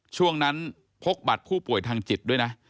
ช่วงนั้นพกบัตรผู้ป่วยทางจิตด้วยนะ